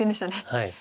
はい。